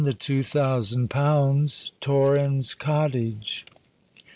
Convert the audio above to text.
THE TWO THOUSAND POUNDS.—TORRENS COTTAGE.